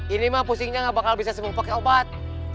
ini mah pusingnya gak bakal bisa sembuh pakai obat